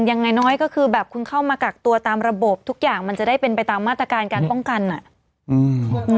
ยังไงน้อยก็คือแบบคุณเข้ามากักตัวตามระบบทุกอย่างมันจะได้เป็นไปตามมาตรการการป้องกันอ่ะอืม